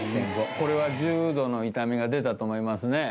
これは重度の痛みが出たと思いますね。